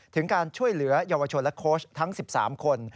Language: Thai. ถึงการช่วยเหลือเยาวชนและโค้ชทั้ง๑๓คน